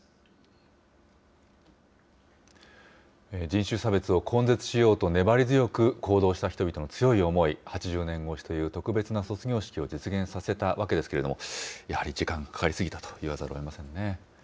人種差別を根絶しようと粘り強く行動した人々の強い思い、８０年越しという特別な卒業式を実現させたわけですけれども、やはり時間がかかり過ぎたと言わざるをえませんね。